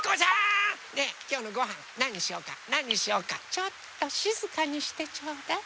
ちょっとしずかにしてちょうだい。